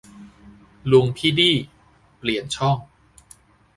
"ลุงพี่ดี้" เปลี่ยนช่อง